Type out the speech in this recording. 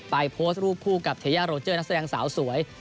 โพสต์รูปคู่กับเทยาโรเจอร์นักแสดงสาวสวย